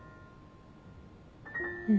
うん。